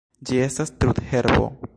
Ĝi estas trudherbo.